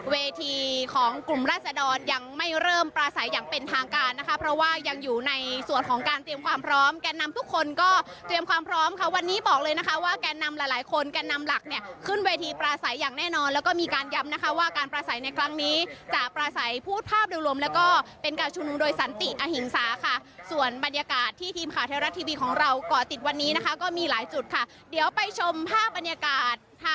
เวทีของกลุ่มราชดอนยังไม่เริ่มปราศัยอย่างเป็นทางการนะคะเพราะว่ายังอยู่ในส่วนของการเตรียมความพร้อมแกนำทุกคนก็เตรียมความพร้อมค่ะวันนี้บอกเลยนะคะว่าแกนำหลายคนแกนำหลักเนี่ยขึ้นเวทีปราศัยอย่างแน่นอนแล้วก็มีการย้ำนะคะว่าการปราศัยในครั้งนี้จะปราศัยพูดภาพเดียวรวมแล้วก็เป็นกา